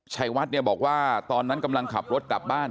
ชัยวัดเนี่ยบอกว่าตอนนั้นกำลังขับรถกลับบ้าน